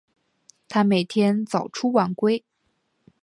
他每天早出晚归